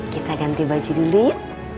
kita ganti baju dulu ya